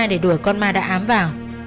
để đuổi con ma đã ám vào